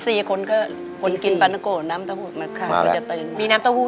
ตี๔คนกินป้าดำโกน้ำเต้าหู้มันจะตื่นมา